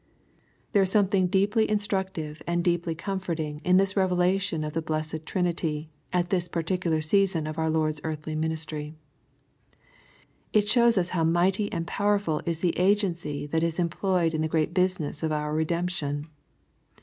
There is something deeply instructive, and deeply comforting in this revelation of the blessed Trinity, at this particular season of our Lord's earthly ministry. It shows us how mighty and powerful is the agency that is employed in the great business of our redemption.